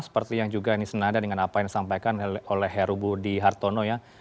seperti yang juga ini senada dengan apa yang disampaikan oleh heru budi hartono ya